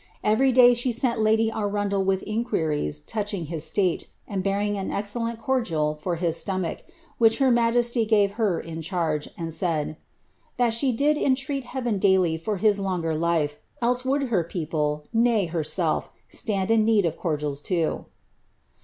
Every day she sent lady Sna del with inquiries touching liia slate, and bearing an excellent conlial for his stomach, which her majesty gave her in charge, and eaid, ^thtl she did entreat Heaven daily for his longer life, else would her people. nay herself, stand in need of cordials too."